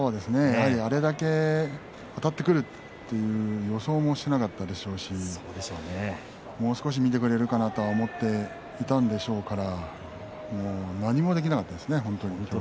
あれだけあたってくると予想もしていなかったでしょうしもう少し見てくれるかなと思っていたんでしょうから何もできなかったですね、本当に。